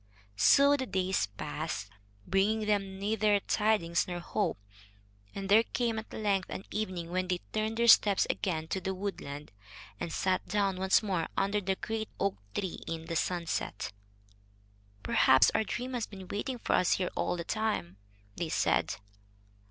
So the days passed, bringing them neither tidings nor hope, and there came at length an evening when they turned their steps again to the woodland, and sat down once more under the great oak tree in the sunset. "Perhaps our dream has been waiting for us here all the time," they said.